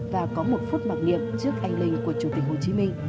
và có một phút mặc niệm trước anh linh của chủ tịch hồ chí minh